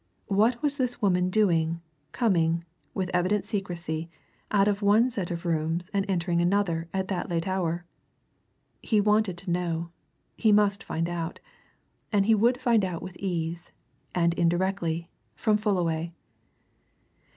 What was this woman doing, coming with evident secrecy out of one set of rooms, and entering another at that late hour? He wanted to know he must find out and he would find out with ease, and indirectly, from Fullaway.